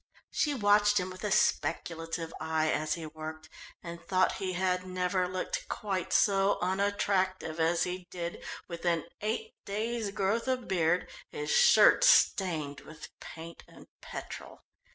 She watched him with a speculative eye as he worked, and thought he had never looked quite so unattractive as he did with an eight days' growth of beard, his shirt stained with paint and petrol.